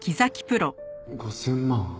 ５０００万。